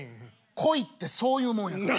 恋ってそういうもんやから。